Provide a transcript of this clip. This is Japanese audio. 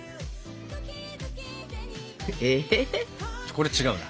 これ違うな。